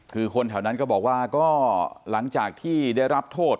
คือคนแถวนั้นก็บอกว่าก็หลังจากที่ได้รับโทษ